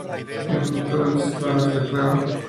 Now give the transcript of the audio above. El futuro del sistema no está claro.